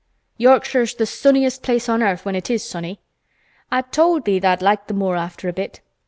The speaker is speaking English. Yorkshire's th' sunniest place on earth when it is sunny. I told thee tha'd like th' moor after a bit.